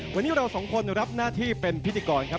วันนี้เราสองคนรับหน้าที่เป็นพิธีกรครับ